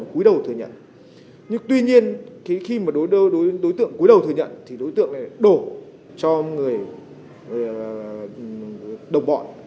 cuối đầu thừa nhận thì đối tượng này đổ cho người đồng bọn